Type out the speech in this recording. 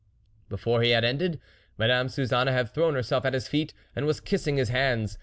" Before he had ended, Madame Suzanne had thrown herself at his feet, and was kissing his hands.